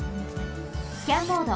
スキャンモード。